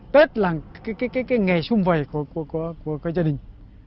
tết là cái nghề xung vầy của gia đình